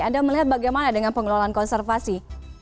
anda melihat bagaimana dengan pengelolaan konservasi